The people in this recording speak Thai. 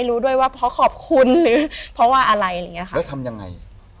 แล้วทำยังไง